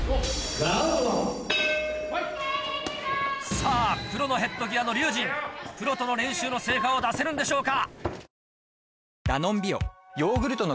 さぁ黒のヘッドギアの龍心プロとの練習の成果を出せるんでしょうか。